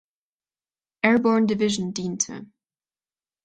Airborne Division diente.